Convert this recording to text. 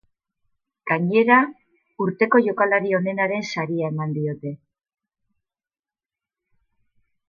Gainera, urteko jokalari onenaren saria eman diote.